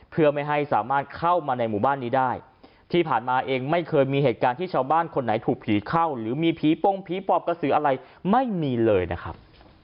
เพื่อไม่ให้สามารถเข้ามาในหมู่บ้านนี้ได้ที่ผ่านมาเองไม่เคยมีเหตุการณ์ที่ชาวบ้านคนไหนถูกผีเข้าหรือมีผีปงผีปอบกระสืออะไรไม่มีเลยนะครับ